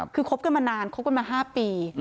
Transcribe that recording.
คือคบกันมานานคบกันมา๕ปี